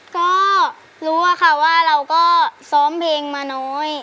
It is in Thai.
ก็รู้อะค่ะว่าเราก็ซ้อมเพลงมาน้อย